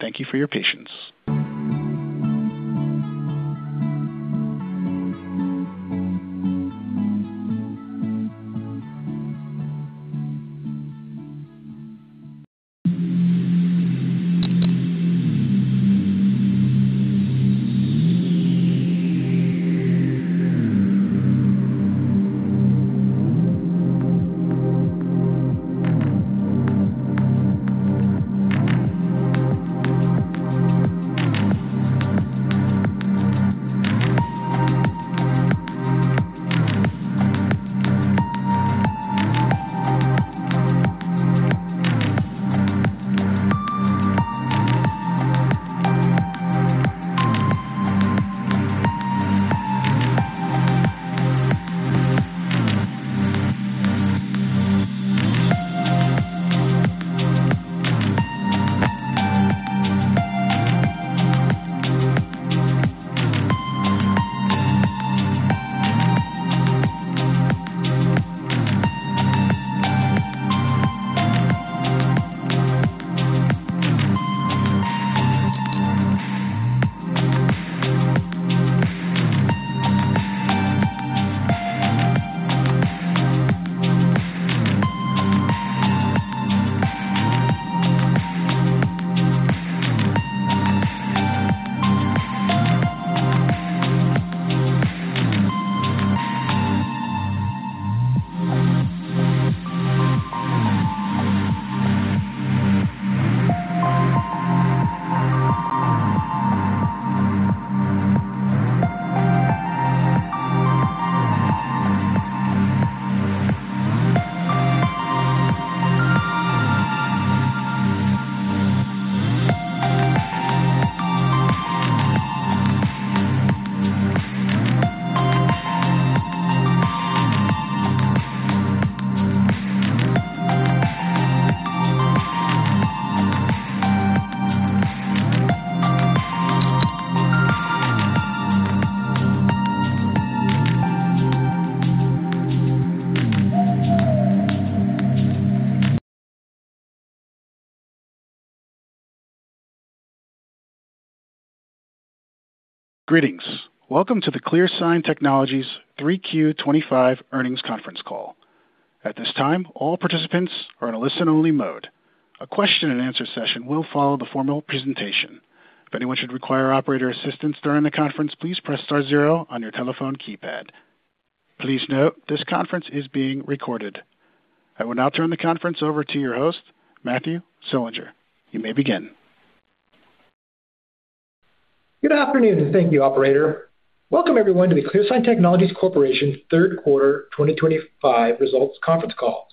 Thank you for your patience. Greetings. Welcome to the ClearSign Technologies 3Q25 Earnings Conference Call. At this time, all participants are in a listen-only mode. A question-and-answer session will follow the formal presentation. If anyone should require operator assistance during the conference, please press star zero on your telephone keypad. Please note this conference is being recorded. I will now turn the conference over to your host, Matthew Selinger. You may begin. Good afternoon and thank you, Operator. Welcome, everyone, to the ClearSign Technologies Corporation third quarter 2025 results conference call.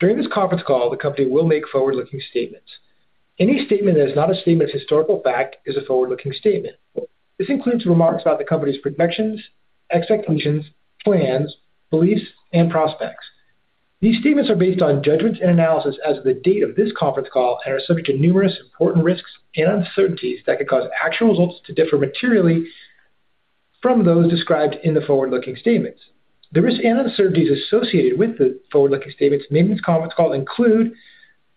During this conference call, the company will make forward-looking statements. Any statement that is not a statement of historical fact is a forward-looking statement. This includes remarks about the company's projections, expectations, plans, beliefs, and prospects. These statements are based on judgments and analysis as of the date of this conference call and are subject to numerous important risks and uncertainties that could cause actual results to differ materially from those described in the forward-looking statements. The risks and uncertainties associated with the forward-looking statements made in this conference call include,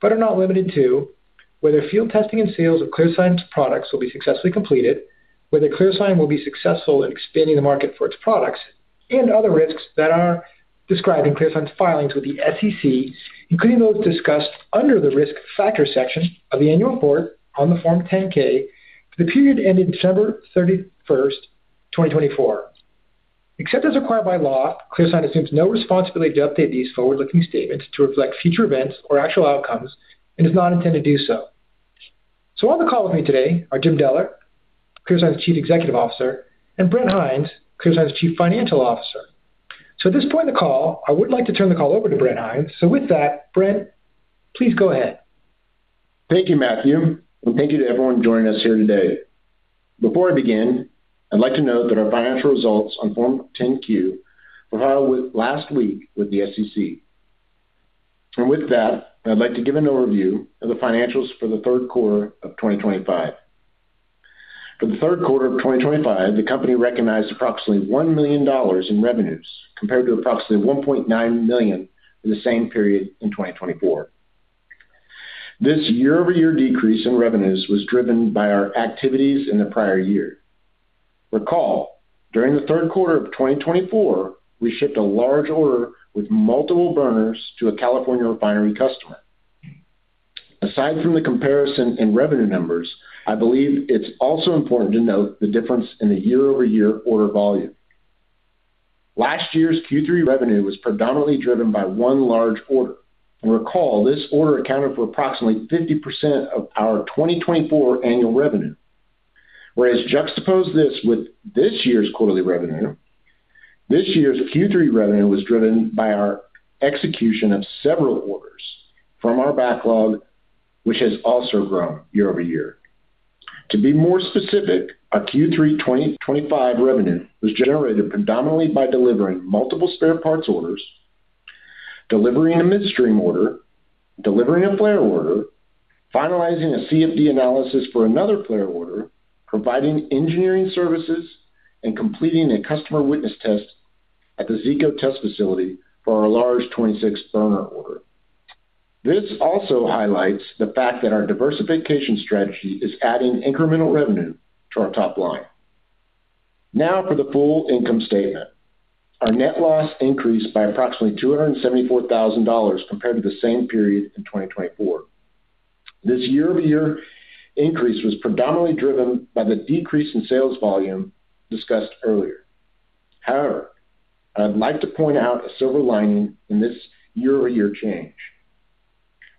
but are not limited to, whether field testing and sales of ClearSign's products will be successfully completed, whether ClearSign will be successful in expanding the market for its products, and other risks that are described in ClearSign's filings with the SEC, including those discussed under the risk factor section of the annual report on the Form 10-K for the period ending December 31, 2024. Except as required by law, ClearSign assumes no responsibility to update these forward-looking statements to reflect future events or actual outcomes and does not intend to do so. On the call with me today are Jim Deller, ClearSign's Chief Executive Officer, and Brent Hinds, ClearSign's Chief Financial Officer. At this point in the call, I would like to turn the call over to Brent Hinds. With that, Brent, please go ahead. Thank you, Matthew, and thank you to everyone joining us here today. Before I begin, I'd like to note that our financial results on Form 10-Q were filed last week with the SEC. With that, I'd like to give an overview of the financials for the third quarter of 2025. For the third quarter of 2025, the company recognized approximately $1 million in revenues compared to approximately $1.9 million in the same period in 2024. This Year-over-Year decrease in revenues was driven by our activities in the prior year. Recall, during the third quarter of 2024, we shipped a large order with multiple burners to a California refinery customer. Aside from the comparison in revenue numbers, I believe it's also important to note the difference in the Year-over-Year order volume. Last year's Q3 revenue was predominantly driven by one large order. Recall, this order accounted for approximately 50% of our 2024 annual revenue. Juxtapose this with this year's quarterly revenue, this year's Q3 revenue was driven by our execution of several orders from our backlog, which has also grown year over year. To be more specific, our Q3 2025 revenue was generated predominantly by delivering multiple spare parts orders, delivering a midstream order, delivering a flare order, finalizing a CFD analysis for another flare order, providing engineering services, and completing a customer witness test at the Zeeco test facility for our large 26 burner order. This also highlights the fact that our diversification strategy is adding incremental revenue to our top line. Now for the full income statement. Our net loss increased by approximately $274,000 compared to the same period in 2024. This Year-over-Year increase was predominantly driven by the decrease in sales volume discussed earlier. However, I'd like to point out a silver lining in this Year-over-Year change.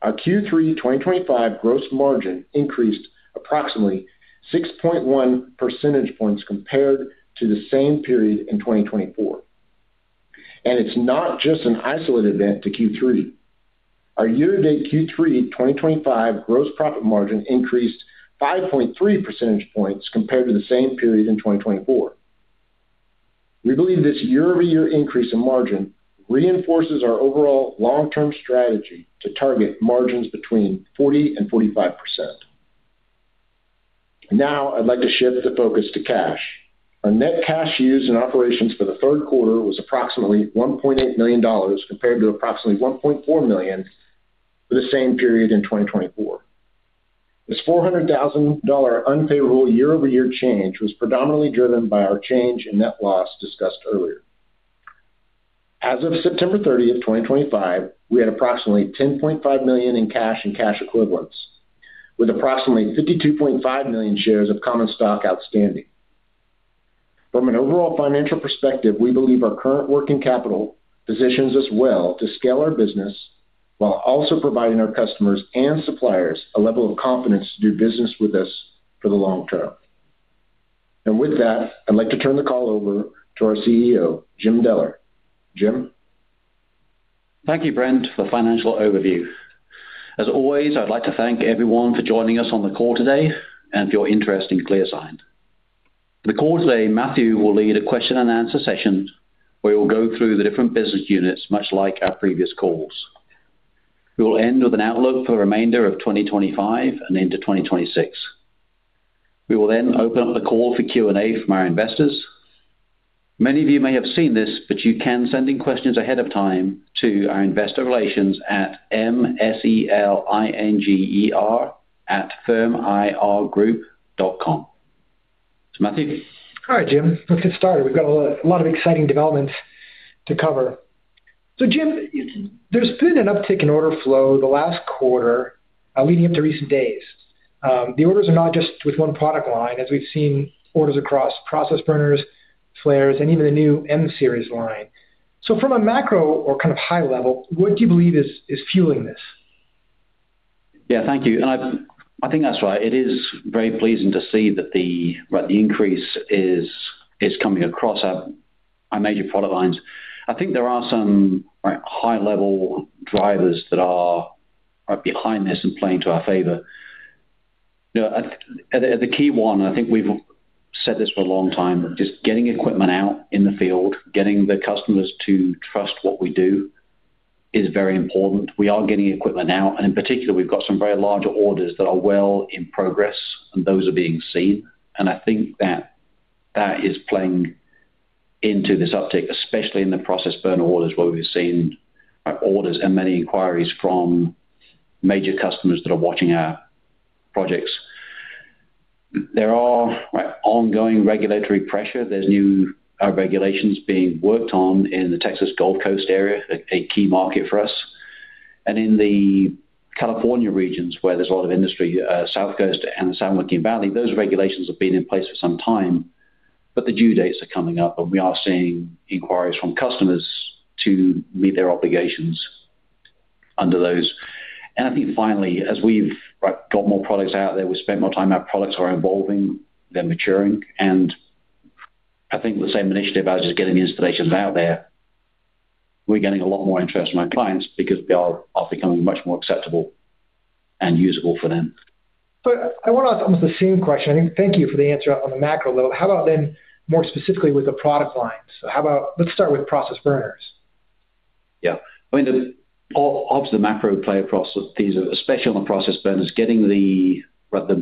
Our Q3 2025 gross margin increased approximately 6.1 percentage points compared to the same period in 2024. It is not just an isolated event to Q3. Our year-to-date Q3 2025 gross profit margin increased 5.3 percentage points compared to the same period in 2024. We believe this Year-over-Year increase in margin reinforces our overall long-term strategy to target margins between 40% and 45%. Now, I'd like to shift the focus to cash. Our net cash used in operations for the third quarter was approximately $1.8 million compared to approximately $1.4 million for the same period in 2024. This $400,000 unfavorable Year-over-Year change was predominantly driven by our change in net loss discussed earlier. As of September 30th, 2025, we had approximately $10.5 million in cash and cash equivalents, with approximately 52.5 million shares of common stock outstanding. From an overall financial perspective, we believe our current working capital positions us well to scale our business while also providing our customers and suppliers a level of confidence to do business with us for the long term. With that, I'd like to turn the call over to our CEO, Jim Deller. Jim. Thank you, Brent, for the financial overview. As always, I'd like to thank everyone for joining us on the call today and for your interest in ClearSign. For the call today, Matthew will lead a question-and-answer session where we'll go through the different business units, much like our previous calls. We will end with an outlook for the remainder of 2025 and into 2026. We will then open up the call for Q&A from our investors. Many of you may have seen this, but you can send in questions ahead of time to our investor relations at mselinger@firmirgroup.com. So, Matthew. All right, Jim. Let's get started. We've got a lot of exciting developments to cover. Jim, there's been an uptick in order flow the last quarter leading up to recent days. The orders are not just with one product line, as we've seen orders across process burners, flares, and even the new M-series line. From a macro or kind of high level, what do you believe is fueling this? Yeah, thank you. I think that's right. It is very pleasing to see that the increase is coming across our major product lines. I think there are some high-level drivers that are behind this and playing to our favor. The key one, and I think we've said this for a long time, just getting equipment out in the field, getting the customers to trust what we do is very important. We are getting equipment out. In particular, we've got some very large orders that are well in progress, and those are being seen. I think that is playing into this uptick, especially in the process burner orders where we've seen orders and many inquiries from major customers that are watching our projects. There are ongoing regulatory pressure. There's new regulations being worked on in the Texas Gulf Coast area, a key market for us. In the California regions, where there's a lot of industry, South Coast and the San Joaquin Valley, those regulations have been in place for some time, but the due dates are coming up, and we are seeing inquiries from customers to meet their obligations under those. I think finally, as we've got more products out there, we spend more time, our products are evolving, they're maturing. I think the same initiative as just getting the installations out there, we're getting a lot more interest from our clients because they are becoming much more acceptable and usable for them. I want to ask almost the same question. I think thank you for the answer on the macro level. How about then more specifically with the product lines? Let's start with process burners. Yeah. I mean, obviously, the macro play across these, especially on the process burners, getting the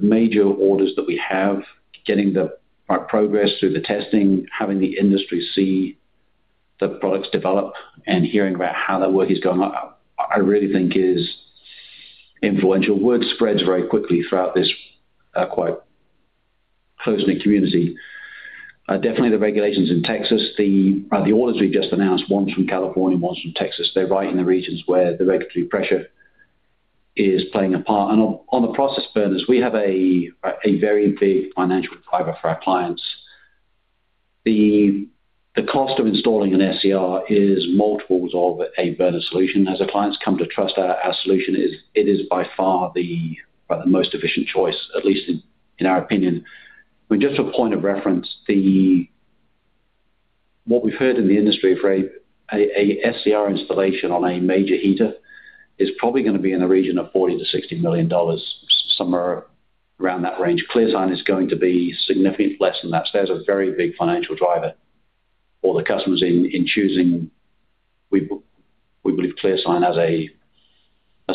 major orders that we have, getting the progress through the testing, having the industry see the products develop, and hearing about how that work is going on, I really think is influential. Word spreads very quickly throughout this quite close-knit community. Definitely, the regulations in Texas, the orders we have just announced, one is from California, one is from Texas, they are right in the regions where the regulatory pressure is playing a part. On the process burners, we have a very big financial driver for our clients. The cost of installing an SCR is multiples of a burner solution. As our clients come to trust our solution, it is by far the most efficient choice, at least in our opinion. I mean, just for a point of reference, what we've heard in the industry for a SCR installation on a major heater is probably going to be in the region of $40 million-$60 million, somewhere around that range. ClearSign is going to be significantly less than that. That is a very big financial driver for the customers in choosing. We believe ClearSign has a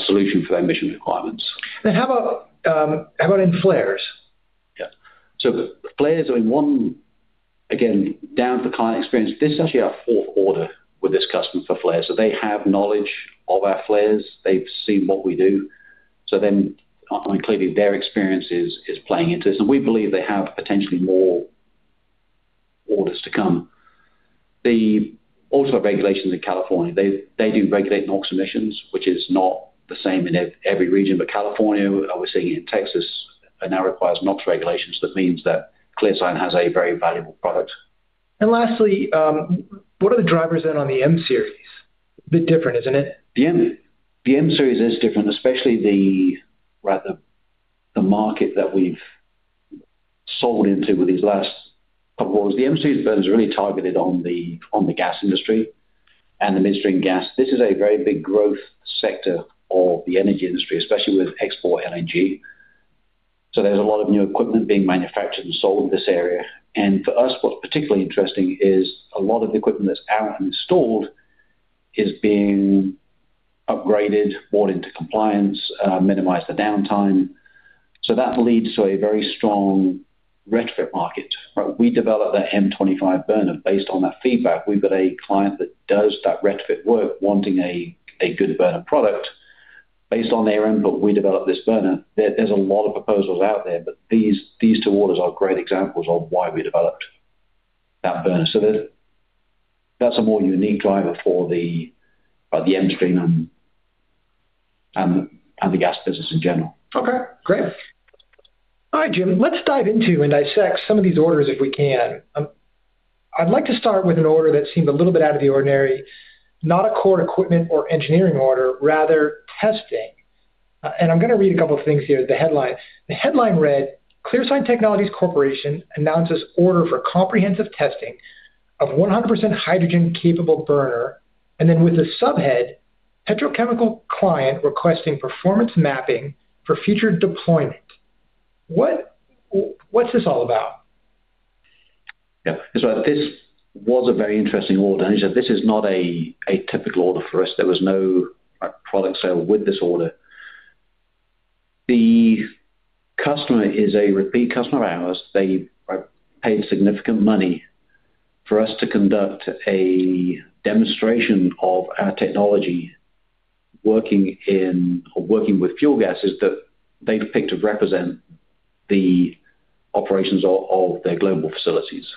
solution for their mission requirements. How about in flares? Yeah. Flares are in one, again, down to the client experience. This is actually our fourth order with this customer for flares. They have knowledge of our flares. They've seen what we do. I think clearly their experience is playing into this. We believe they have potentially more orders to come. The ultimate regulations in California, they do regulate NOx emissions, which is not the same in every region. California, we're seeing in Texas, now requires NOx regulations. That means that ClearSign has a very valuable product. Lastly, what are the drivers then on the M-series? A bit different, isn't it? The M-series is different, especially the market that we've sold into with these last couple of orders. The M-series burners are really targeted on the gas industry and the midstream gas. This is a very big growth sector of the energy industry, especially with export LNG. There is a lot of new equipment being manufactured and sold in this area. For us, what's particularly interesting is a lot of the equipment that's out and installed is being upgraded, brought into compliance, minimized the downtime. That leads to a very strong retrofit market. We develop that M25 burner based on that feedback. We've got a client that does that retrofit work, wanting a good burner product. Based on their input, we developed this burner. There are a lot of proposals out there, but these two orders are great examples of why we developed that burner. That's a more unique driver for the M-series and the gas business in general. Okay. Great. All right, Jim. Let's dive into and dissect some of these orders if we can. I'd like to start with an order that seemed a little bit out of the ordinary, not a core equipment or engineering order, rather testing. I'm going to read a couple of things here, the headline. The headline read, "ClearSign Technologies Corporation" announces order for comprehensive testing of 100% hydrogen capable burner, and then with the subhead, petrochemical client requesting performance mapping for future deployment." What's this all about? Yeah. This was a very interesting order. As I said, this is not a typical order for us. There was no product sale with this order. The customer is a repeat customer of ours. They paid significant money for us to conduct a demonstration of our technology working with fuel gases that they have picked to represent the operations of their global facilities.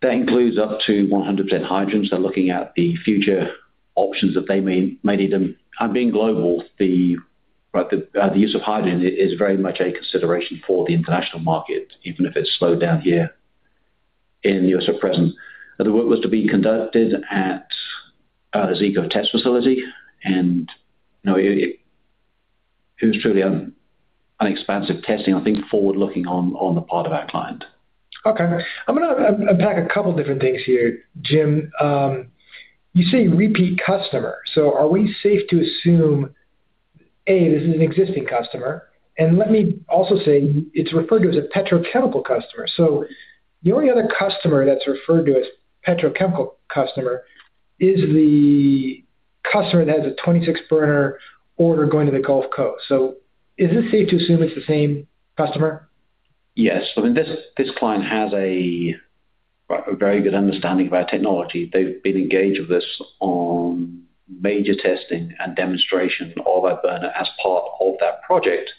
That includes up to 100% hydrogen. Looking at the future options that they may need. Being global, the use of hydrogen is very much a consideration for the international market, even if it is slowed down here in the U.S. at present. The work was to be conducted at the Zeeco test facility. It was truly an expansive testing, I think, forward-looking on the part of our client. Okay. I'm going to unpack a couple of different things here. Jim, you say repeat customer. So are we safe to assume, A, this is an existing customer? Let me also say it's referred to as a petrochemical customer. The only other customer that's referred to as petrochemical customer is the customer that has a 26 burner order going to the Gulf Coast. Is it safe to assume it's the same customer? Yes. I mean, this client has a very good understanding of our technology. They've been engaged with us on major testing and demonstration of our burner as part of that project.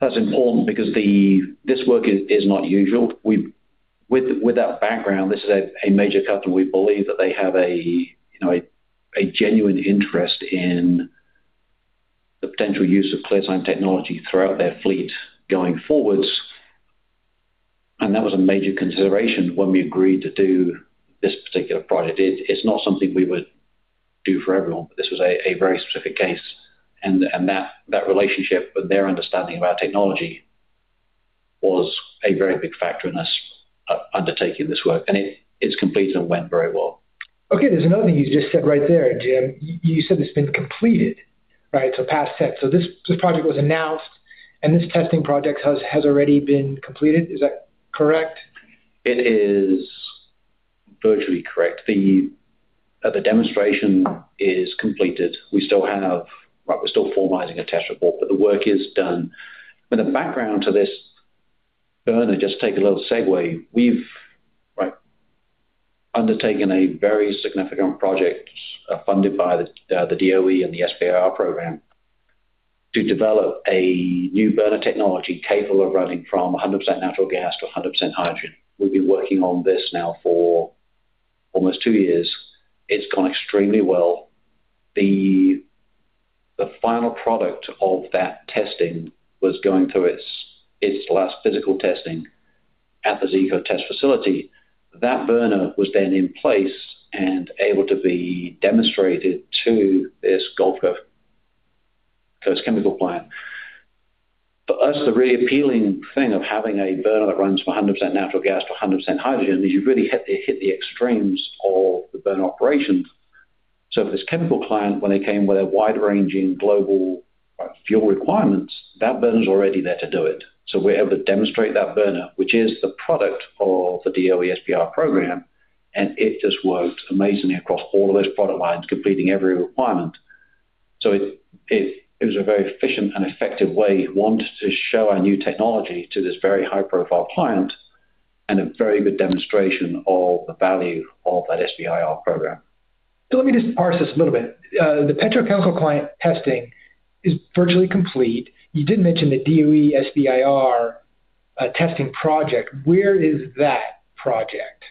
That's important because this work is not usual. With that background, this is a major customer. We believe that they have a genuine interest in the potential use of ClearSign Technologies throughout their fleet going forwards. That was a major consideration when we agreed to do this particular project. It's not something we would do for everyone, but this was a very specific case. That relationship with their understanding of our technology was a very big factor in us undertaking this work. It's completed and went very well. Okay. There's another thing you just said right there, Jim. You said it's been completed, right? So past tense. This project was announced, and this testing project has already been completed. Is that correct? It is virtually correct. The demonstration is completed. We're still formalizing a test report, but the work is done. The background to this burner, just to take a little segue, we've undertaken a very significant project funded by the DOE and the SBIR program to develop a new burner technology capable of running from 100% natural gas to 100% hydrogen. We've been working on this now for almost two years. It's gone extremely well. The final product of that testing was going through its last physical testing at the Zeeco test facility. That burner was then in place and able to be demonstrated to this Gulf Coast chemical plant. For us, the really appealing thing of having a burner that runs from 100% natural gas to 100% hydrogen is you really hit the extremes of the burner operations. For this chemical client, when they came with a wide-ranging global fuel requirements, that burner's already there to do it. We were able to demonstrate that burner, which is the product of the DOE SBIR program, and it just worked amazingly across all of those product lines, completing every requirement. It was a very efficient and effective way to show our new technology to this very high-profile client and a very good demonstration of the value of that SBIR program. Let me just parse this a little bit. The petrochemical client testing is virtually complete. You did mention the DOE SBIR testing project. Where is that project?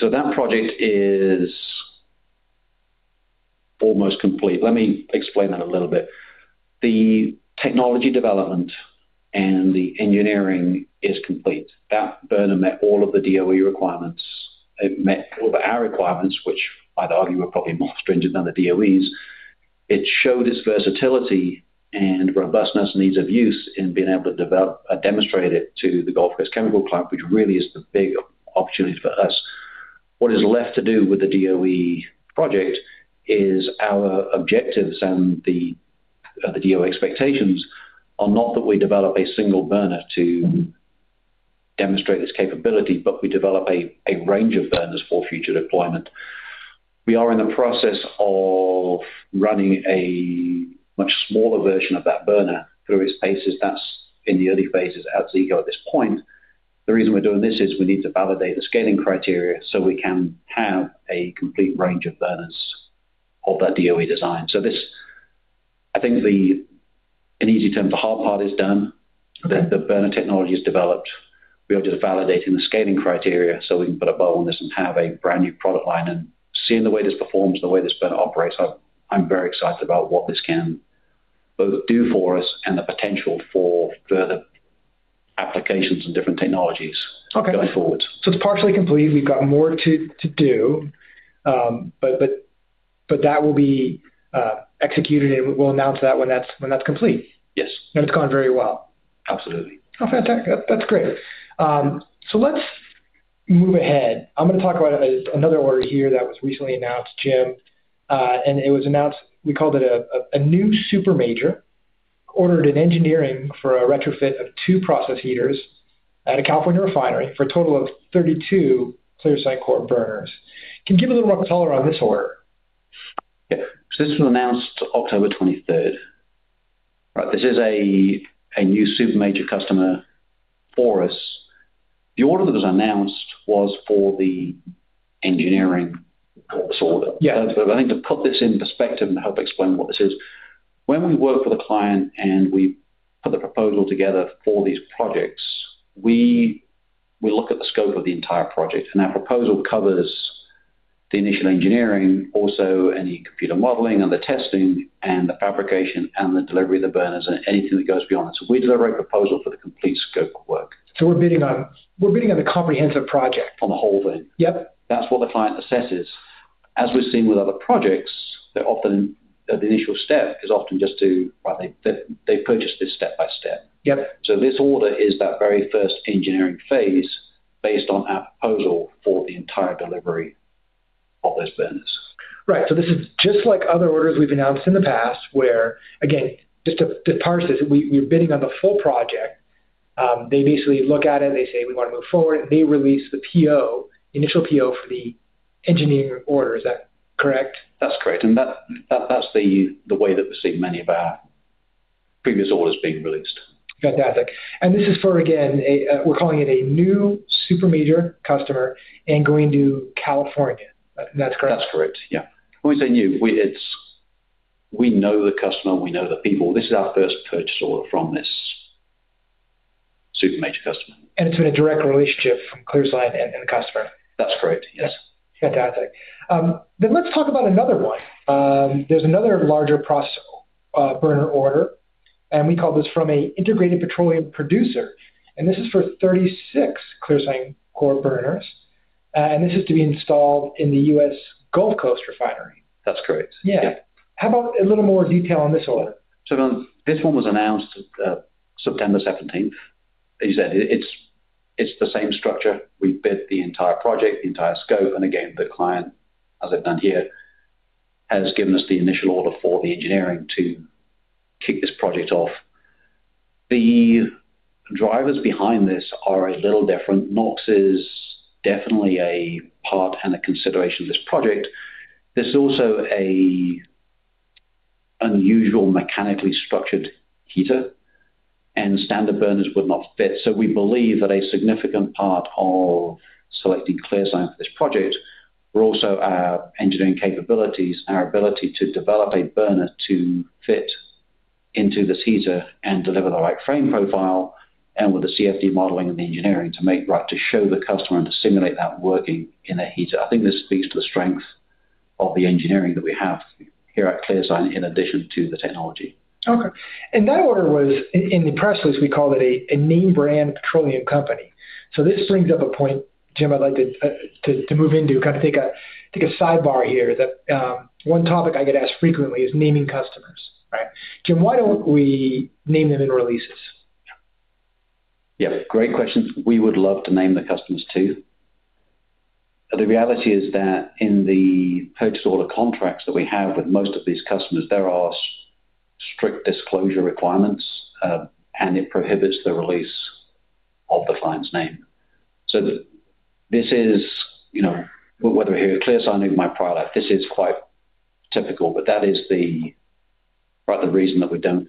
That project is almost complete. Let me explain that a little bit. The technology development and the engineering is complete. That burner met all of the DOE requirements. It met all of our requirements, which I'd argue are probably more stringent than the DOE's. It showed its versatility and robustness and ease of use in being able to demonstrate it to the Gulf Coast chemical client, which really is the big opportunity for us. What is left to do with the DOE project is our objectives and the DOE expectations are not that we develop a single burner to demonstrate this capability, but we develop a range of burners for future deployment. We are in the process of running a much smaller version of that burner through its phases. That's in the early phases at Zeeco at this point. The reason we're doing this is we need to validate the scaling criteria so we can have a complete range of burners of that DOE design. I think in easy terms, the hard part is done. The burner technology is developed. We are just validating the scaling criteria so we can put a bow on this and have a brand new product line and seeing the way this performs, the way this burner operates. I'm very excited about what this can both do for us and the potential for further applications and different technologies going forward. Okay. It is partially complete. We have more to do, but that will be executed, and we will announce that when that is complete. Yes. It has gone very well. Absolutely. Oh, fantastic. That's great. Let's move ahead. I'm going to talk about another order here that was recently announced, Jim. It was announced we called it a new super major, ordered in engineering for a retrofit of two process heaters at a California refinery for a total of 32 ClearSign Core burners. Can you give a little more color on this order? Yeah. This was announced October 23rd. This is a new super major customer for us. The order that was announced was for the engineering source. I think to put this in perspective and help explain what this is, when we work with a client and we put the proposal together for these projects, we look at the scope of the entire project. Our proposal covers the initial engineering, also any computer modeling and the testing and the fabrication and the delivery of the burners and anything that goes beyond that. We deliver a proposal for the complete scope of work. We're bidding on the comprehensive project. On the whole thing. Yep. That's what the client assesses. As we've seen with other projects, the initial step is often just to they purchase this step by step. This order is that very first engineering phase based on our proposal for the entire delivery of those burners. Right. This is just like other orders we've announced in the past, where, again, just to parse this, we're bidding on the full project. They basically look at it. They say, "We want to move forward." They release the initial PO for the engineering order. Is that correct? That's correct. That's the way that we've seen many of our previous orders being released. Fantastic. This is for, again, we're calling it a new super major customer and going to California. That's correct? That's correct. Yeah. When we say new, we know the customer. We know the people. This is our first purchase order from this super major customer. It has been a direct relationship from ClearSign and the customer. That's correct. Yes. Fantastic. Let's talk about another one. There's another larger process burner order, and we call this from an integrated petroleum producer. This is for 36 ClearSign Core burners. This is to be installed in the U.S. Gulf Coast refinery. That's correct. Yeah. Yeah. How about a little more detail on this order? This one was announced September 17th. As you said, it's the same structure. We bid the entire project, the entire scope. Again, the client, as I've done here, has given us the initial order for the engineering to kick this project off. The drivers behind this are a little different. NOx is definitely a part and a consideration of this project. This is also an unusual mechanically structured heater, and standard burners would not fit. We believe that a significant part of selecting ClearSign for this project were also our engineering capabilities, our ability to develop a burner to fit into this heater and deliver the right frame profile and with the CFD modeling and the engineering to show the customer and to simulate that working in a heater. I think this speaks to the strength of the engineering that we have here at ClearSign in addition to the technology. Okay. That order was, in the press release, we called it a name-brand petroleum company. This brings up a point, Jim, I'd like to move into, kind of take a sidebar here. One topic I get asked frequently is naming customers, right? Jim, why don't we name them in releases? Yeah. Great question. We would love to name the customers too. The reality is that in the purchase order contracts that we have with most of these customers, there are strict disclosure requirements, and it prohibits the release of the client's name. This is whether we're here at ClearSign or in my prior life, this is quite typical, but that is the reason that we don't.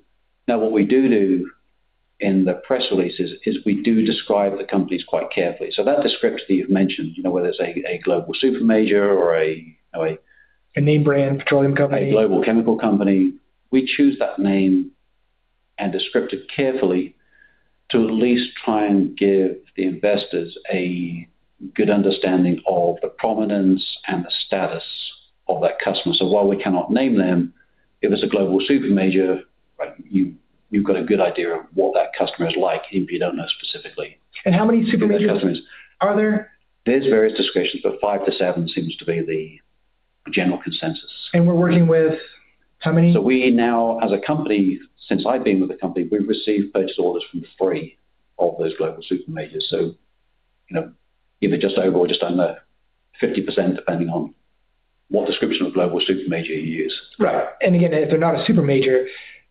Now, what we do do in the press releases is we do describe the companies quite carefully. That description that you've mentioned, whether it's a global super major or a. A name-brand petroleum company. A global chemical company, we choose that name and descriptor carefully to at least try and give the investors a good understanding of the prominence and the status of that customer. While we cannot name them, if it's a global super major, you've got a good idea of what that customer is like if you don't know specifically. How many super majors are there? There's various descriptions, but five to seven seems to be the general consensus. We are working with how many? We now, as a company, since I've been with the company, we've received purchase orders from three of those global super majors. So either just over or just under 50%, depending on what description of global super major you use. Right. If they're not a super major,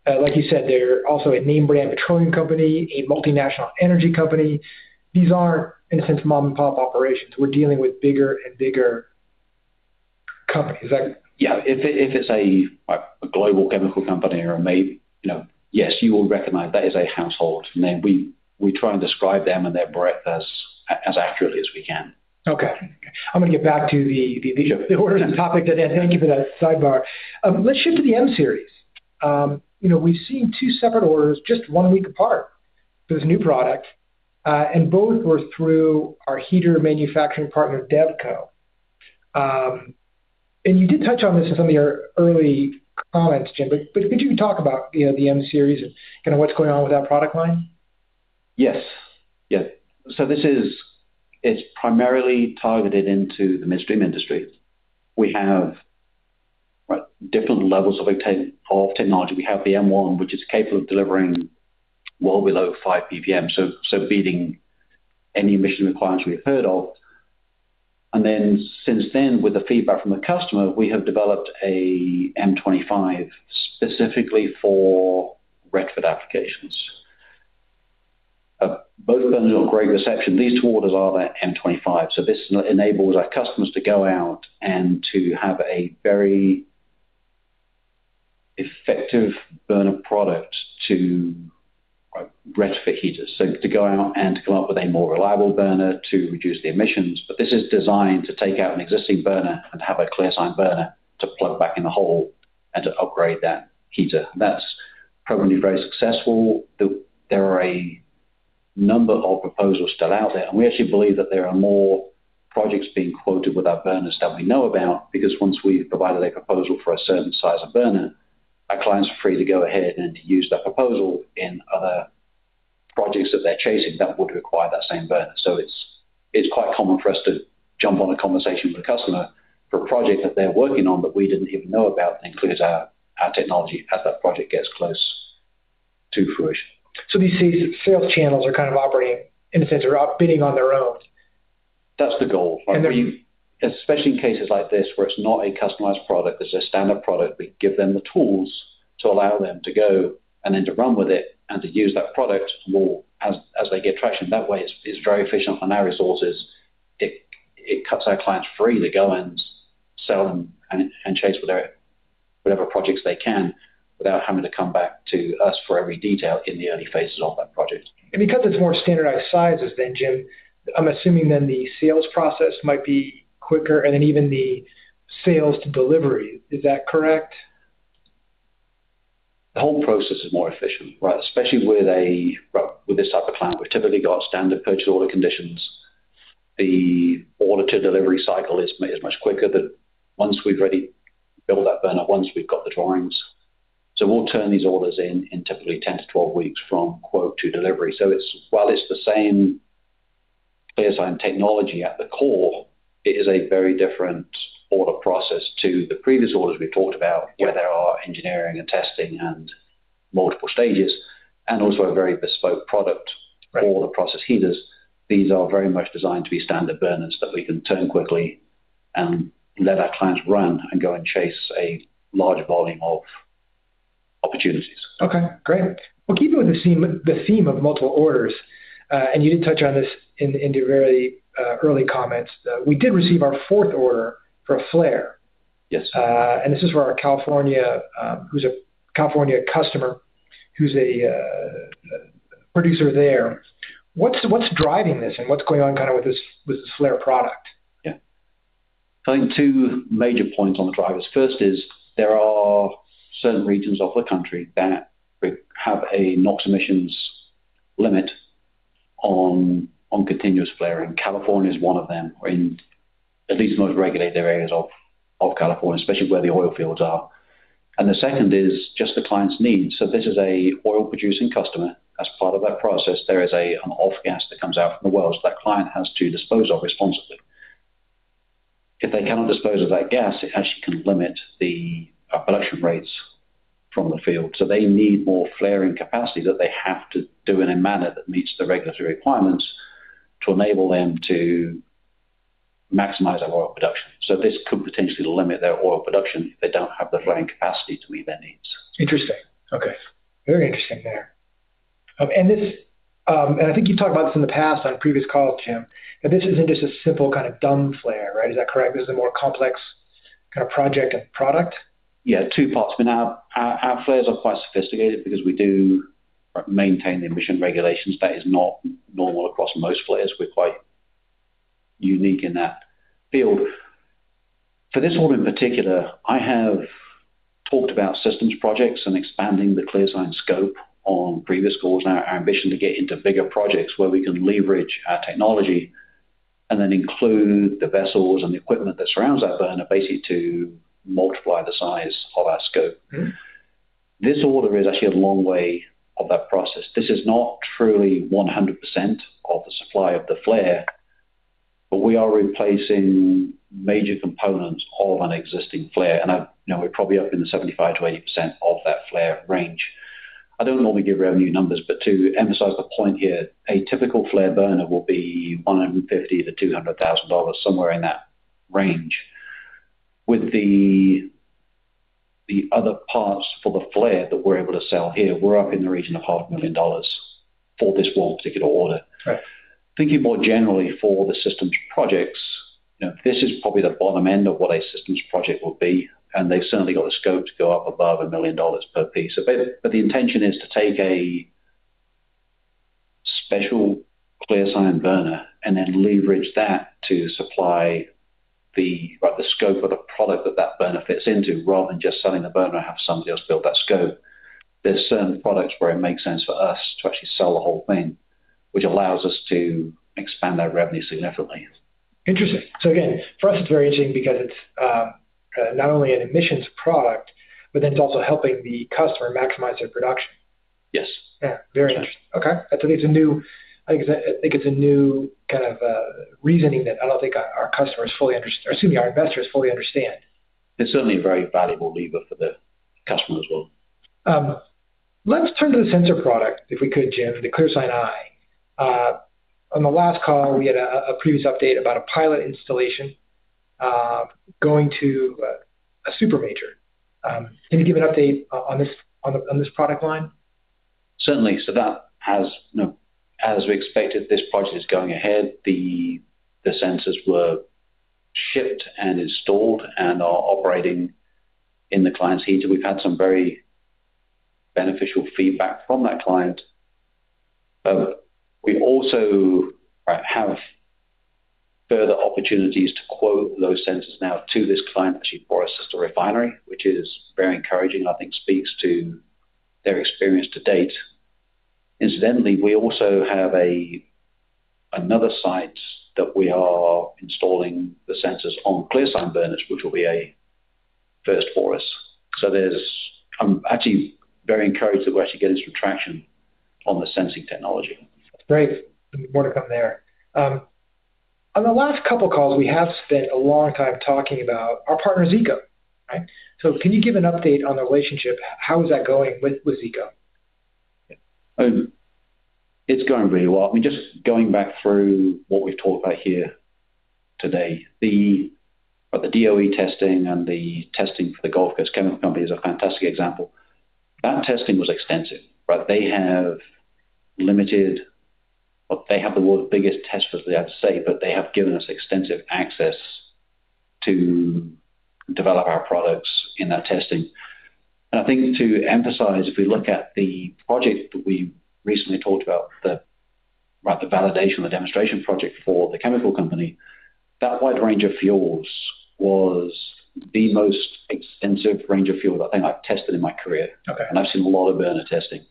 like you said, they're also a name-brand petroleum company, a multinational energy company. These aren't, in a sense, mom-and-pop operations. We're dealing with bigger and bigger companies. Yeah. If it's a global chemical company or a major, yes, you will recognize that is a household name. We try and describe them and their breadth as accurately as we can. Okay. I'm going to get back to the orders and topics today. Thank you for that sidebar. Let's shift to the M-series. We've seen two separate orders just one week apart for this new product, and both were through our heater manufacturing partner, DevCo. You did touch on this in some of your early comments, Jim, but could you talk about the M-series and kind of what's going on with that product line? Yes. Yeah. This is primarily targeted into the midstream industry. We have different levels of technology. We have the M1, which is capable of delivering well below 5 PPM, so beating any emission requirements we've heard of. Since then, with the feedback from the customer, we have developed an M25 specifically for retrofit applications. Both burners got great reception. These two orders are the M25. This enables our customers to go out and to have a very effective burner product to retrofit heaters, to go out and to come up with a more reliable burner to reduce the emissions. This is designed to take out an existing burner and have a ClearSign burner to plug back in the hole and to upgrade that heater. That's probably very successful. There are a number of proposals still out there, and we actually believe that there are more projects being quoted with our burners that we know about because once we've provided a proposal for a certain size of burner, our clients are free to go ahead and use that proposal in other projects that they're chasing that would require that same burner. It is quite common for us to jump on a conversation with a customer for a project that they're working on that we did not even know about that includes our technology as that project gets close to fruition. These sales channels are kind of operating, in a sense, or bidding on their own. That's the goal. Especially in cases like this where it's not a customized product. It's a standard product. We give them the tools to allow them to go and then to run with it and to use that product as they get traction. That way, it's very efficient on our resources. It cuts our clients free. They go and sell and chase whatever projects they can without having to come back to us for every detail in the early phases of that project. Because it's more standardized sizes then, Jim, I'm assuming then the sales process might be quicker and then even the sales to delivery. Is that correct? The whole process is more efficient, right? Especially with this type of client, we've typically got standard purchase order conditions. The order-to-delivery cycle is much quicker once we've already built that burner, once we've got the drawings. We will turn these orders in in typically 10-12 weeks from quote to delivery. While it is the same ClearSign technology at the core, it is a very different order process to the previous orders we've talked about where there are engineering and testing and multiple stages and also a very bespoke product for the process heaters. These are very much designed to be standard burners that we can turn quickly and let our clients run and go and chase a large volume of opportunities. Okay. Great. We'll keep it with the theme of multiple orders. You did touch on this in your very early comments. We did receive our fourth order for Flare. This is for our California customer who's a producer there. What's driving this and what's going on kind of with this Flare product? Yeah. I think two major points on the drivers. First is there are certain regions of the country that have a NOx emissions limit on continuous flaring. California is one of them, at least in those regulated areas of California, especially where the oil fields are. The second is just the client's needs. This is an oil-producing customer. As part of that process, there is an off-gas that comes out from the wells that the client has to dispose of responsibly. If they cannot dispose of that gas, it actually can limit the production rates from the field. They need more flaring capacity that they have to do in a manner that meets the regulatory requirements to enable them to maximize our oil production. This could potentially limit their oil production if they do not have the flaring capacity to meet their needs. Interesting. Okay. Very interesting there. I think you've talked about this in the past on previous calls, Jim, that this isn't just a simple kind of dumb flare, right? Is that correct? This is a more complex kind of project and product? Yeah, two parts. I mean, our flares are quite sophisticated because we do maintain the emission regulations. That is not normal across most flares. We're quite unique in that field. For this one in particular, I have talked about systems projects and expanding the ClearSign scope on previous calls. Our ambition to get into bigger projects where we can leverage our technology and then include the vessels and the equipment that surrounds that burner basically to multiply the size of our scope. This order is actually a long way of that process. This is not truly 100% of the supply of the flare, but we are replacing major components of an existing flare. And we're probably up in the 75-80% of that flare range. I don't normally give revenue numbers, but to emphasize the point here, a typical flare burner will be $150,000-$200,000, somewhere in that range. With the other parts for the flare that we're able to sell here, we're up in the region of $500,000 for this one particular order. Thinking more generally for the systems projects, this is probably the bottom end of what a systems project would be, and they've certainly got the scope to go up above $1 million per piece. The intention is to take a special ClearSign burner and then leverage that to supply the scope of the product that that burner fits into, rather than just selling the burner and have somebody else build that scope. There are certain products where it makes sense for us to actually sell the whole thing, which allows us to expand our revenue significantly. Interesting. For us, it's very interesting because it's not only an emissions product, but then it's also helping the customer maximize their production. Yes. Yeah. Very interesting. Okay. I think it's a new, I think it's a new kind of reasoning that I don't think our customers fully understand, or excuse me, our investors fully understand. It's certainly a very valuable lever for the customer as well. Let's turn to the sensor product, if we could, Jim, the ClearSign Eye. On the last call, we had a previous update about a pilot installation going to a super major. Can you give an update on this product line? Certainly. As we expected, this project is going ahead. The sensors were shipped and installed and are operating in the client's heater. We've had some very beneficial feedback from that client. We also have further opportunities to quote those sensors now to this client, actually for a sister refinery, which is very encouraging and I think speaks to their experience to date. Incidentally, we also have another site that we are installing the sensors on ClearSign burners, which will be a first for us. I'm actually very encouraged that we're actually getting some traction on the sensing technology. Great. More to come there. On the last couple of calls, we have spent a long time talking about our partner, Zeeco, right? Can you give an update on the relationship? How is that going with Zeeco? It's going really well. I mean, just going back through what we've talked about here today, the DOE testing and the testing for the Gulf Coast Chemical Company is a fantastic example. That testing was extensive. They have limited, they have the world's biggest test facility, I have to say, but they have given us extensive access to develop our products in that testing. I think to emphasize, if we look at the project that we recently talked about, the validation of the demonstration project for the chemical company, that wide range of fuels was the most extensive range of fuel that I think I've tested in my career. I've seen a lot of burner testing.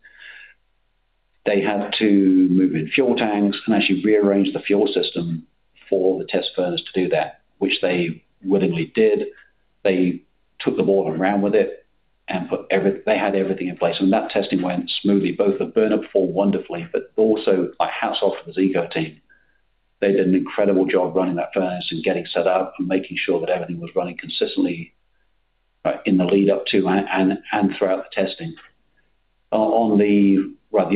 They had to move in fuel tanks and actually rearrange the fuel system for the test burners to do that, which they willingly did. They took the ball and ran with it and they had everything in place. That testing went smoothly. Both the burner performed wonderfully, but also my hat off to the Zeeco team. They did an incredible job running that furnace and getting set up and making sure that everything was running consistently in the lead-up to and throughout the testing. The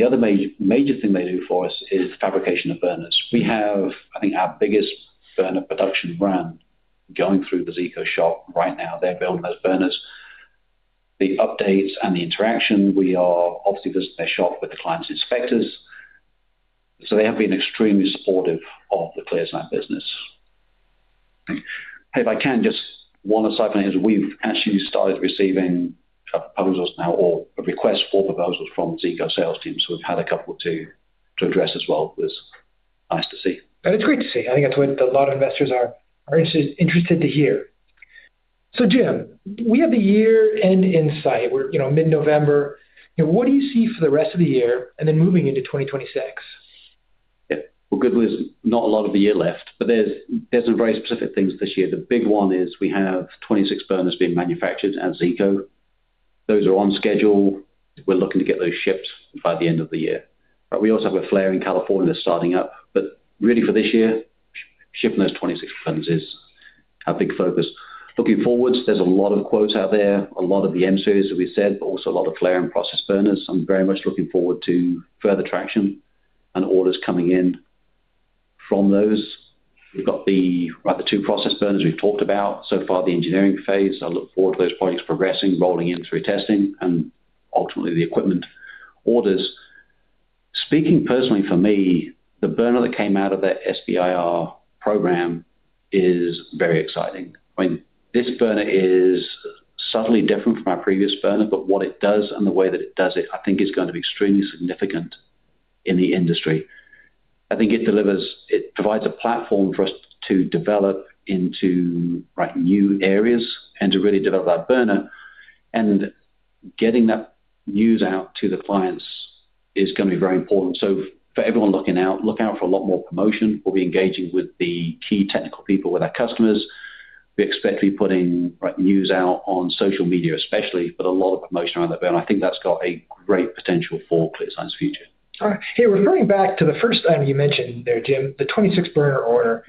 other major thing they do for us is fabrication of burners. We have, I think, our biggest burner production run going through the Zeeco shop right now. They're building those burners. The updates and the interaction, we are obviously visiting their shop with the client's inspectors. They have been extremely supportive of the ClearSign business. If I can just one aside from here, we've actually started receiving proposals now or requests for proposals from Zeeco sales teams. We've had a couple to address as well. It was nice to see. That is great to see. I think that's what a lot of investors are interested to hear. Jim, we have the year-end in sight. We're mid-November. What do you see for the rest of the year and then moving into 2026? Yeah. Good news. Not a lot of the year left, but there's some very specific things this year. The big one is we have 26 burners being manufactured at Zeeco. Those are on schedule. We're looking to get those shipped by the end of the year. We also have a flare in California that's starting up. For this year, shipping those 26 burners is our big focus. Looking forwards, there's a lot of quotes out there, a lot of the M-series that we said, but also a lot of flare and process burners. I'm very much looking forward to further traction and orders coming in from those. We've got the two process burners we've talked about. So far, the engineering phase. I look forward to those projects progressing, rolling in through testing, and ultimately the equipment orders. Speaking personally for me, the burner that came out of the SBIR program is very exciting. I mean, this burner is subtly different from our previous burner, but what it does and the way that it does it, I think is going to be extremely significant in the industry. I think it provides a platform for us to develop into new areas and to really develop that burner. Getting that news out to the clients is going to be very important. For everyone looking out, look out for a lot more promotion. We'll be engaging with the key technical people with our customers. We expect to be putting news out on social media especially, but a lot of promotion around that burner. I think that's got a great potential for ClearSign's future. All right. Hey, referring back to the first item you mentioned there, Jim, the 26 burner order,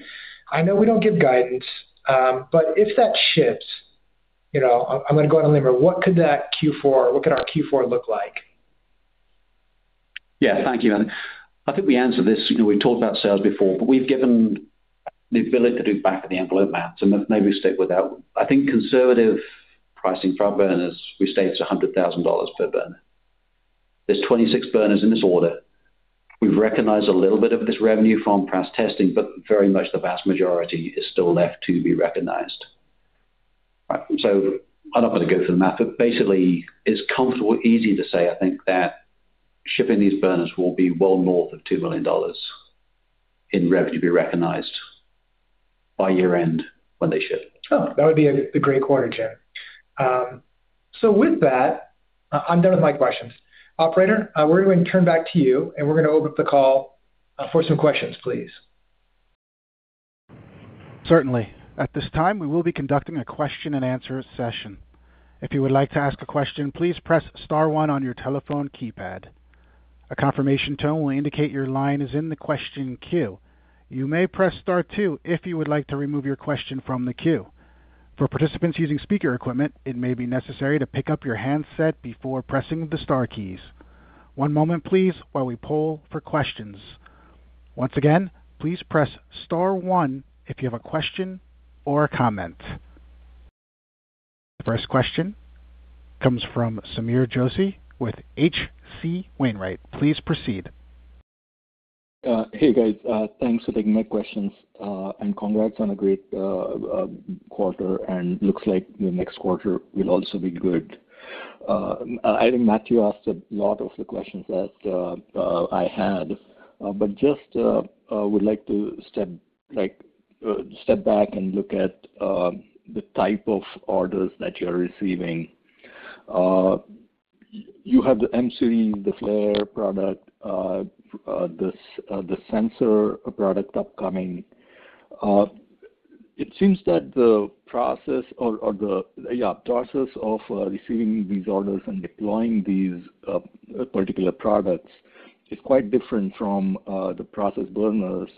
I know we don't give guidance, but if that shifts, I'm going to go out on a limb here. What could that Q4, what could our Q4 look like? Yeah. Thank you, man. I think we answered this. We've talked about sales before, but we've given the ability to do back of the envelope maths, and maybe we stick with that. I think conservative pricing for our burners, we stay at $100,000 per burner. There are 26 burners in this order. We've recognized a little bit of this revenue from past testing, but very much the vast majority is still left to be recognized. I'm not going to go through the math, but basically, it's comfortable, easy to say, I think, that shipping these burners will be well north of $2 million in revenue to be recognized by year-end when they ship. Oh, that would be a great quarter, Jim. With that, I'm done with my questions. Operator, we're going to turn back to you, and we're going to open up the call for some questions, please. Certainly. At this time, we will be conducting a question-and-answer session. If you would like to ask a question, please press Star 1 on your telephone keypad. A confirmation tone will indicate your line is in the question queue. You may press Star 2 if you would like to remove your question from the queue. For participants using speaker equipment, it may be necessary to pick up your handset before pressing the Star keys. One moment, please, while we poll for questions. Once again, please press Star 1 if you have a question or a comment. The first question comes from Samieer Joshi with HC Wainwright. Please proceed. Hey, guys. Thanks for taking my questions, and congrats on a great quarter. It looks like the next quarter will also be good. I think Matthew asked a lot of the questions that I had, but just would like to step back and look at the type of orders that you're receiving. You have the M-series, the flare product, the sensor product upcoming. It seems that the process or the process of receiving these orders and deploying these particular products is quite different from the process burners,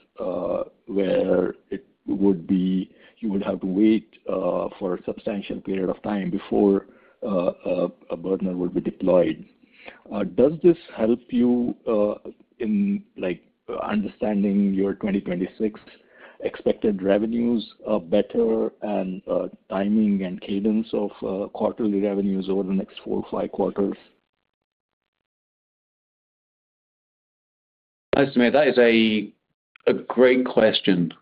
where you would have to wait for a substantial period of time before a burner would be deployed. Does this help you in understanding your 2026 expected revenues better and timing and cadence of quarterly revenues over the next four or five quarters? Hi, Sameer. That is a great question.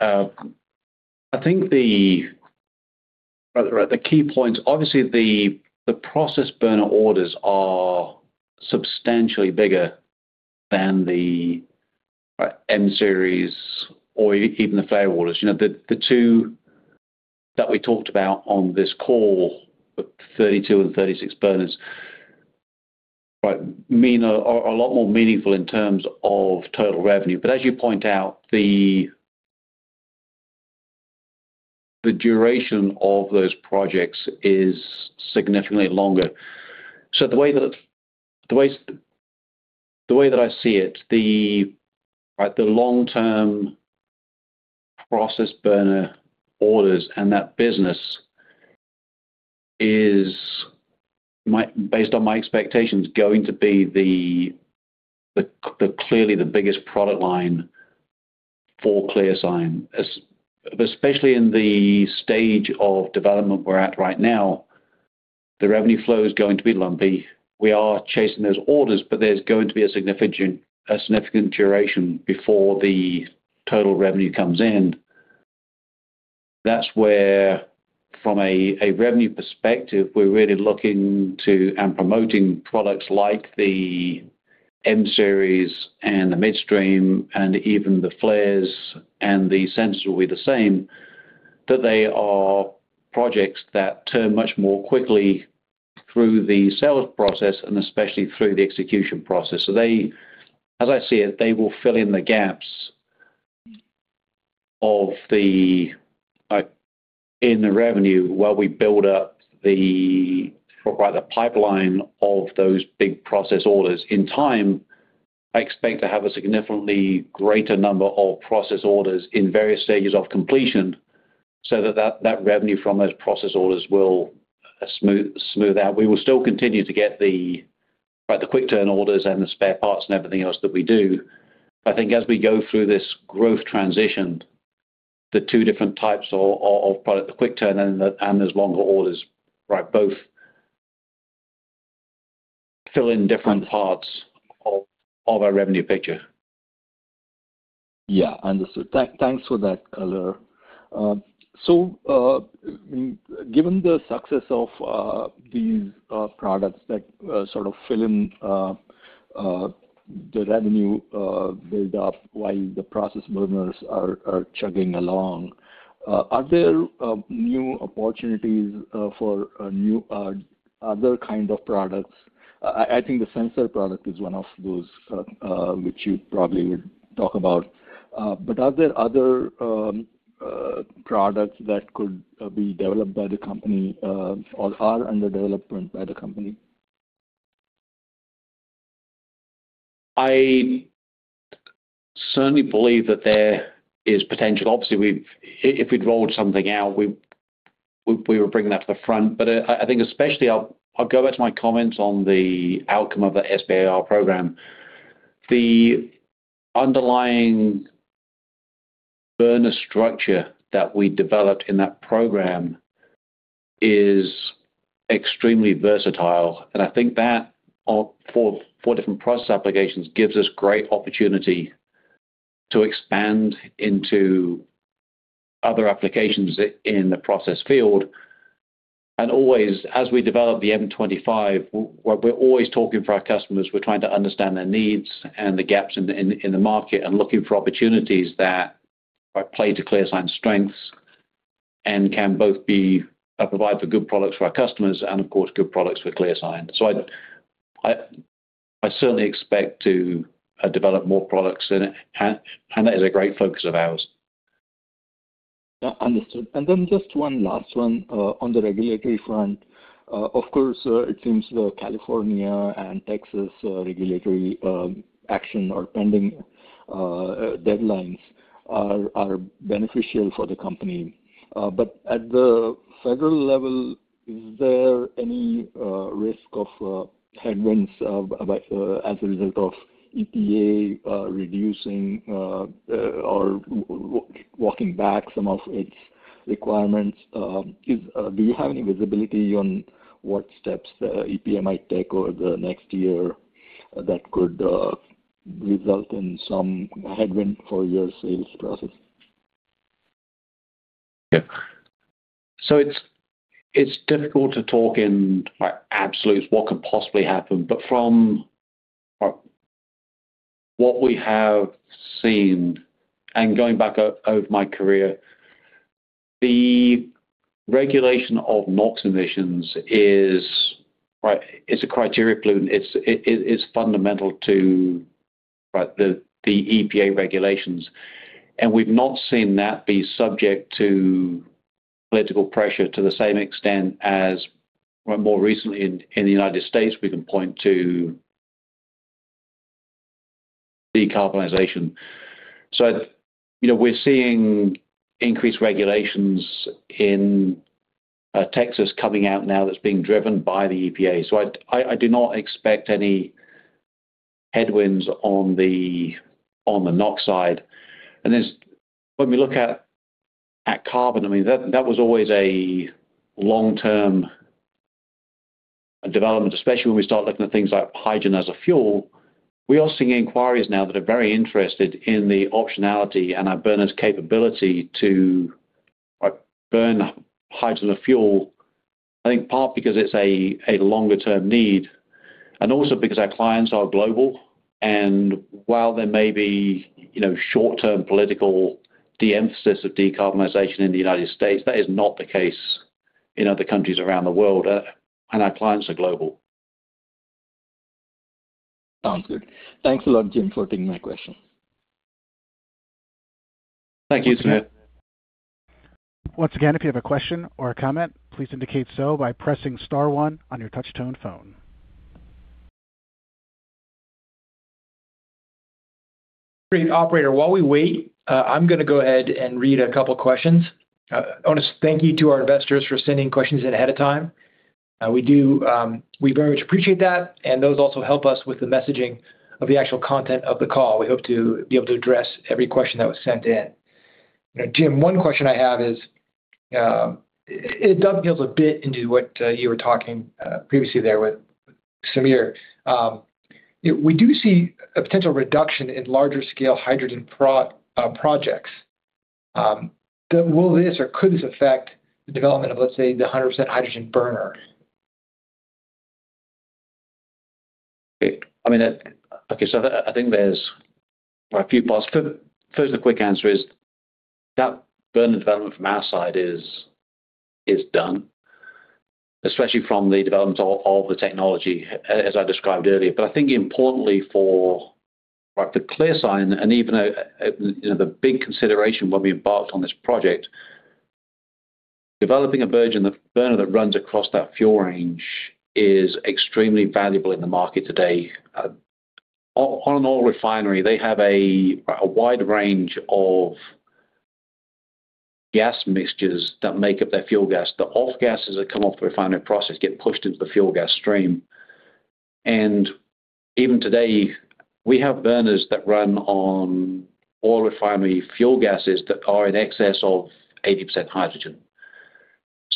I think the key points, obviously, the process burner orders are substantially bigger than the M-series or even the flare orders. The two that we talked about on this call, 32 and 36 burners, mean a lot more meaningful in terms of total revenue. As you point out, the duration of those projects is significantly longer. The way that I see it, the long-term process burner orders and that business is, based on my expectations, going to be clearly the biggest product line for ClearSign, especially in the stage of development we're at right now. The revenue flow is going to be lumpy. We are chasing those orders, but there's going to be a significant duration before the total revenue comes in. That's where, from a revenue perspective, we're really looking to and promoting products like the M-series and the midstream and even the flares and the sensors will be the same, that they are projects that turn much more quickly through the sales process and especially through the execution process. As I see it, they will fill in the gaps in the revenue while we build up the pipeline of those big process orders. In time, I expect to have a significantly greater number of process orders in various stages of completion so that that revenue from those process orders will smooth out. We will still continue to get the quick turn orders and the spare parts and everything else that we do. I think as we go through this growth transition, the two different types of product, the quick turn and those longer orders, both fill in different parts of our revenue picture. Yeah. Understood. Thanks for that, Color. Given the success of these products that sort of fill in the revenue build-up while the process burners are chugging along, are there new opportunities for other kinds of products? I think the sensor product is one of those which you probably would talk about. Are there other products that could be developed by the company or are under development by the company? I certainly believe that there is potential. Obviously, if we'd rolled something out, we were bringing that to the front. I think especially, I'll go back to my comments on the outcome of the SBIR program. The underlying burner structure that we developed in that program is extremely versatile. I think that for different process applications gives us great opportunity to expand into other applications in the process field. Always, as we develop the M25, we're always talking for our customers. We're trying to understand their needs and the gaps in the market and looking for opportunities that play to ClearSign's strengths and can both provide good products for our customers and, of course, good products for ClearSign. I certainly expect to develop more products, and that is a great focus of ours. Understood. And then just one last one on the regulatory front. Of course, it seems the California and Texas regulatory action or pending deadlines are beneficial for the company. But at the federal level, is there any risk of headwinds as a result of EPA reducing or walking back some of its requirements? Do you have any visibility on what steps EPA might take over the next year that could result in some headwind for your sales process? Yeah. It's difficult to talk in absolutes what could possibly happen. From what we have seen and going back over my career, the regulation of NOx emissions is a criteria fundamental to the EPA regulations. We've not seen that be subject to political pressure to the same extent as more recently in the U.S. We can point to decarbonization. We're seeing increased regulations in Texas coming out now that's being driven by the EPA. I do not expect any headwinds on the NOx side. When we look at carbon, I mean, that was always a long-term development, especially when we start looking at things like hydrogen as a fuel. We are seeing inquiries now that are very interested in the optionality and our burner's capability to burn hydrogen or fuel, I think partly because it's a longer-term need and also because our clients are global. While there may be short-term political de-emphasis of decarbonization in the U.S., that is not the case in other countries around the world. Our clients are global. Sounds good. Thanks a lot, Jim, for taking my question. Thank you, Sameer. Once again, if you have a question or a comment, please indicate so by pressing Star 1 on your touch-tone phone. Operator, while we wait, I'm going to go ahead and read a couple of questions. I want to thank you to our investors for sending questions in ahead of time. We very much appreciate that. Those also help us with the messaging of the actual content of the call. We hope to be able to address every question that was sent in. Jim, one question I have is it dovetails a bit into what you were talking previously there with Sameer. We do see a potential reduction in larger-scale hydrogen projects. Will this or could this affect the development of, let's say, the 100% hydrogen burner? I mean, okay, so I think there's a few parts. First, the quick answer is that burner development from our side is done, especially from the development of the technology, as I described earlier. I think importantly for ClearSign, and even the big consideration when we embarked on this project, developing a burner that runs across that fuel range is extremely valuable in the market today. On an oil refinery, they have a wide range of gas mixtures that make up their fuel gas. The off-gases that come off the refinery process get pushed into the fuel gas stream. Even today, we have burners that run on oil refinery fuel gases that are in excess of 80% hydrogen.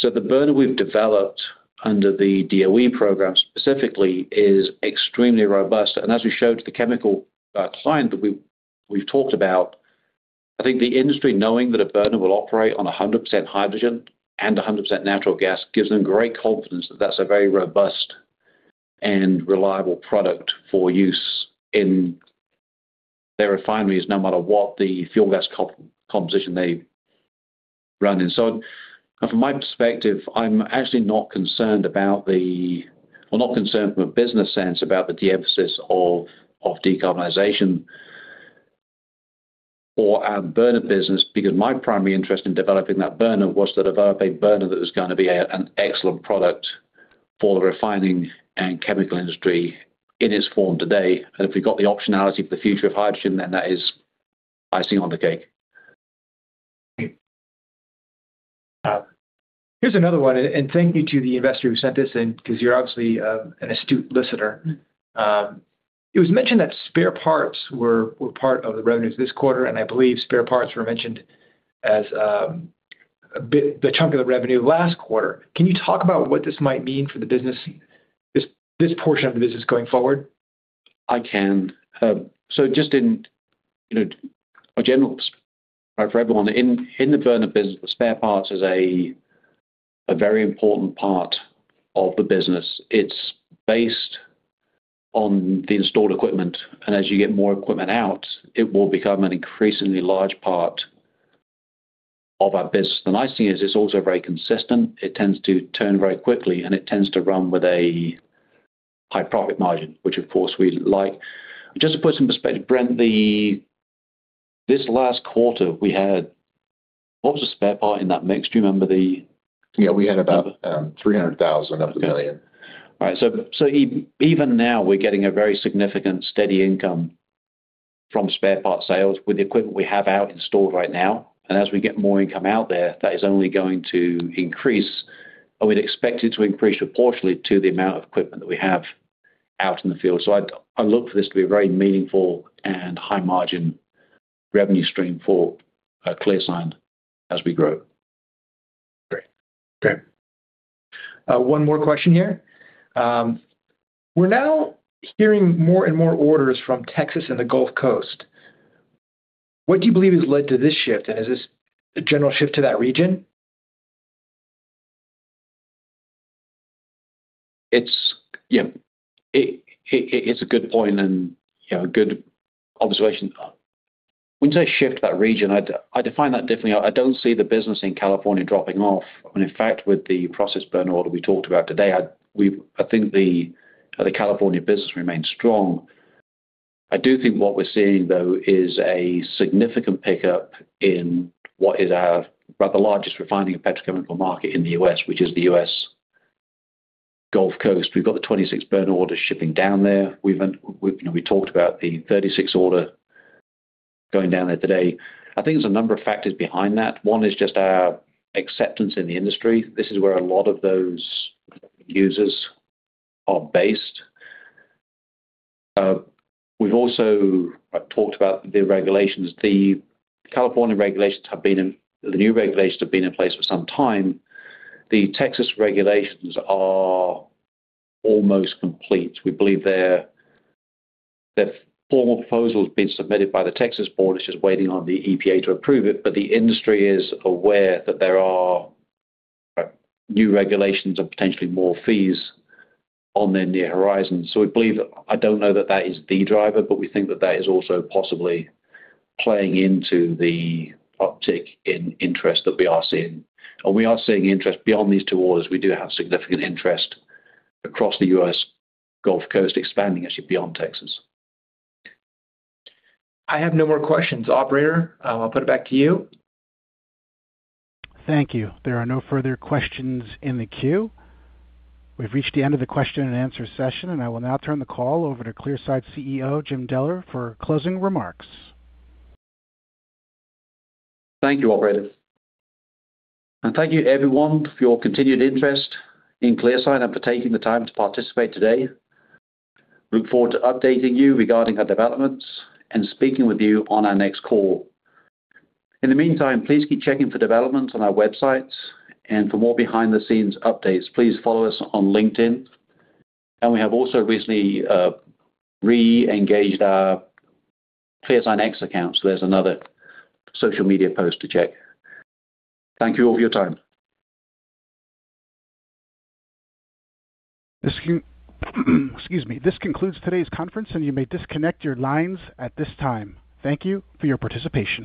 The burner we've developed under the DOE program specifically is extremely robust. As we showed to the chemical client that we've talked about, I think the industry knowing that a burner will operate on 100% hydrogen and 100% natural gas gives them great confidence that that's a very robust and reliable product for use in their refineries, no matter what the fuel gas composition they run in. From my perspective, I'm actually not concerned about the or not concerned from a business sense about the de-emphasis of decarbonization or our burner business because my primary interest in developing that burner was to develop a burner that was going to be an excellent product for the refining and chemical industry in its form today. If we've got the optionality for the future of hydrogen, then that is icing on the cake. Here's another one. Thank you to the investor who sent this in because you're obviously an astute listener. It was mentioned that spare parts were part of the revenues this quarter. I believe spare parts were mentioned as the chunk of the revenue last quarter. Can you talk about what this might mean for this portion of the business going forward? I can. Just in general for everyone, in the burner business, spare parts is a very important part of the business. It's based on the installed equipment. As you get more equipment out, it will become an increasingly large part of our business. The nice thing is it's also very consistent. It tends to turn very quickly. It tends to run with a high profit margin, which, of course, we like. Just to put some perspective, Brent, this last quarter, we had what was the spare part in that mix? Do you remember the? Yeah. We had about $300,000 of the million. All right. Even now, we're getting a very significant steady income from spare part sales with the equipment we have out installed right now. As we get more income out there, that is only going to increase. We'd expect it to increase proportionately to the amount of equipment that we have out in the field. I look for this to be a very meaningful and high-margin revenue stream for ClearSign as we grow. Great. One more question here. We're now hearing more and more orders from Texas and the Gulf Coast. What do you believe has led to this shift? Is this a general shift to that region? Yeah. It's a good point and a good observation. When you say shift to that region, I define that differently. I don't see the business in California dropping off. In fact, with the process burner order we talked about today, I think the California business remains strong. I do think what we're seeing, though, is a significant pickup in what is our largest refining and petrochemical market in the U.S., which is the U.S. Gulf Coast. We've got the 26th burner order shipping down there. We talked about the 36th order going down there today. I think there's a number of factors behind that. One is just our acceptance in the industry. This is where a lot of those users are based. We've also talked about the regulations. The California regulations have been in, the new regulations have been in place for some time. The Texas regulations are almost complete. We believe their formal proposal has been submitted by the Texas board. It is just waiting on the EPA to approve it. The industry is aware that there are new regulations and potentially more fees on their near horizon. I do not know that that is the driver, but we think that that is also possibly playing into the uptick in interest that we are seeing. We are seeing interest beyond these two orders. We do have significant interest across the U.S. Gulf Coast expanding actually beyond Texas. I have no more questions, Operator. I'll put it back to you. Thank you. There are no further questions in the queue. We have reached the end of the question and answer session. I will now turn the call over to ClearSign CEO, Jim Deller, for closing remarks. Thank you, Operator. Thank you, everyone, for your continued interest in ClearSign and for taking the time to participate today. I look forward to updating you regarding our developments and speaking with you on our next call. In the meantime, please keep checking for developments on our website. For more behind-the-scenes updates, please follow us on LinkedIn. We have also recently re-engaged our ClearSign X account, so there is another social media post to check. Thank you all for your time. Excuse me. This concludes today's conference, and you may disconnect your lines at this time. Thank you for your participation.